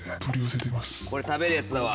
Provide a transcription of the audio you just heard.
これ食べるやつだわ。